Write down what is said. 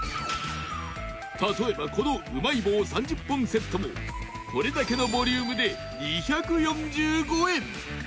例えばこのうまい棒３０本セットもこれだけのボリュームで２４５円